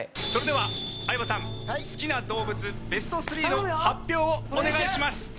それでは相葉さん好きな動物ベスト３の発表をお願いします。